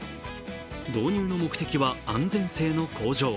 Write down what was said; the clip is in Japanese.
導入の目的は安全性の向上。